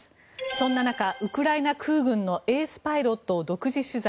そんな中、ウクライナ空軍のエースパイロットを独自取材。